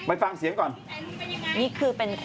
มันไม่มีใครมันไม่ผิดหรอก